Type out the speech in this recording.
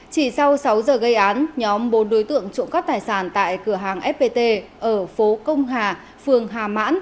chỉ sau sáu giờ gây án nhóm bốn đối tượng trộm cắp tài sản tại cửa hàng fpt ở phố công hà phường hà mãn